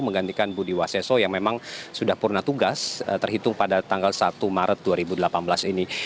menggantikan budi waseso yang memang sudah purna tugas terhitung pada tanggal satu maret dua ribu delapan belas ini